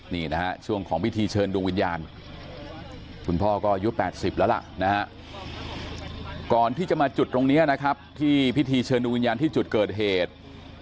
นี่นะฮะช่วงของพิธีเชิญดวงวิญญาณคุณพ่อก็อายุ๘๐แล้วล่ะนะฮะก่อนที่จะมาจุดตรงนี้นะครับที่พิธีเชิญดวงวิญญาณที่จุดเกิดเหตุ